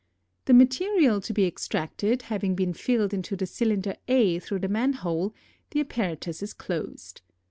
The material to be extracted having been filled into the cylinder A through the manhole, the apparatus is closed.